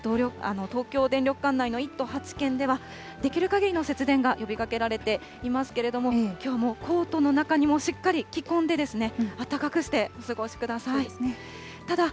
東京電力管内の１都８県では、できるかぎりの節電が呼びかけられていますけれども、きょうもコートの中にもしっかり着込んで、あったかくしてお過ごしください。